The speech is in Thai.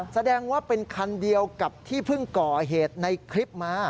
แสดงว่าเป็นคันเดียวกับที่เพิ่งก่อเหตุในคลิปมา